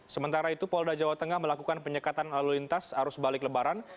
sementara itu polda jawa tengah melakukan penyekatan lalu lintas arus balik lebaran